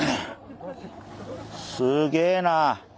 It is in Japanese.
すげえな！